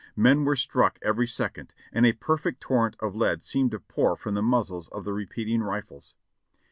Men were struck every second and a perfect torrent of lead seemed to pour from the muzzles of the repeating rifles.